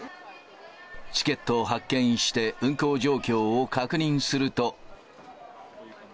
チケットを発券して、運航状況を確認すると。